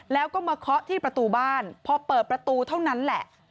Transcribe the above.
แล้วก็มาเคาะที่ประตูบ้านพอเปิดประตูเท่านั้นแหละ